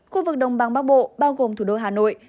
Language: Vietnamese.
khu vực đồng bằng bắc bộ bao gồm thủ đô hà nội